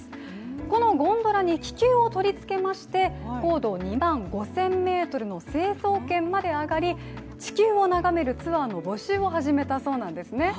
このゴンドラに気球をとりつけまして、高度２万５０００ｍの成層圏まで上がり地球を眺めるツアーの募集を始めたそうなんですね。